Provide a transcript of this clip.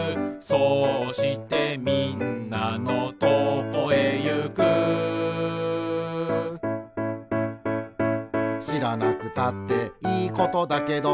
「そうしてみんなのとこへゆく」「しらなくたっていいことだけど」